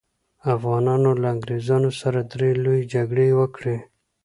افغانانو له انګریزانو سره درې لويې جګړې وکړې.